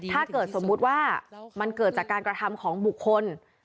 ถ้าเกิดสมมุติว่ามันเกิดจากการกระทำของบุคคล